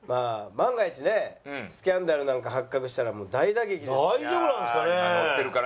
万が一ねスキャンダルなんか発覚したらもう大打撃ですから。